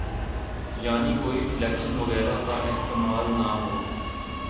یعنی کوئی سلیکشن وغیرہ کا احتمال نہ ہو۔